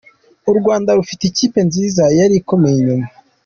U Rwanda rufite ikipe nziza yari ikomeye inyuma.